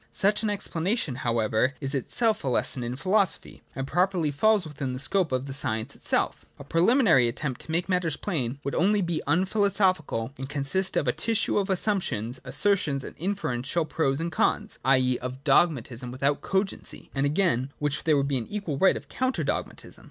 Such an explanation, however, is itself a lesson in philosophy, and properly falls within the scope of the science itself. A preliminary attempt to make matters plain would only be unphilosophical, and con sist of a tissue of assumptions, assertions, and inferen lo.] CRITICISM BEFORE PHILOSOPHY ? 17 tial pros and cons, i. e. of dogmatism without cogency, as against which there would be an equal right of counter dogmatism.